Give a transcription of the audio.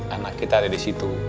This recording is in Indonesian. anak kita ada disitu